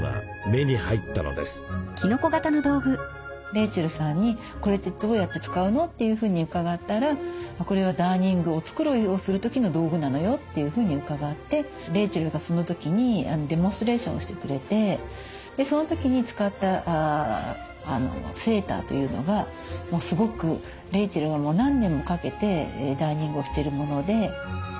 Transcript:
レイチェルさんに「これってどうやって使うの？」というふうに伺ったら「これはダーニングお繕いをする時の道具なのよ」というふうに伺ってレイチェルがその時にデモンストレーションをしてくれてその時に使ったセーターというのがもうすごくレイチェルがもう何年もかけてダーニングをしてるもので。